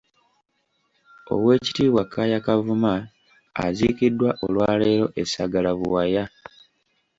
Owekitiibwa Kaaya Kavuma aziikiddwa olwaleero e Sagala Buwaya.